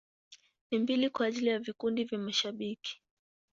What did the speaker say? Na mbili kwa ajili ya vikundi vya mashabiki.